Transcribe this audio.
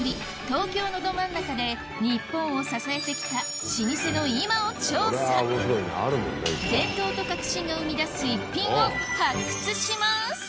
東京のど真ん中で日本を支えてきた老舗の今を調査伝統と革新が生み出す逸品を発掘します